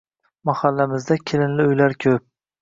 Mahallamizda kelinli uylar koʻp